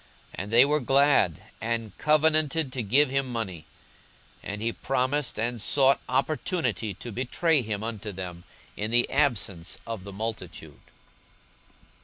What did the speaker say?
42:022:005 And they were glad, and covenanted to give him money. 42:022:006 And he promised, and sought opportunity to betray him unto them in the absence of the multitude.